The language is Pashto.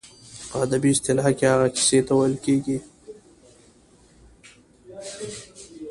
په ادبي اصطلاح هغې کیسې ته ویل کیږي.